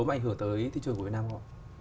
mà ảnh hưởng tới thị trường của vn không ạ